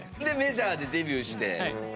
でメジャーでデビューして。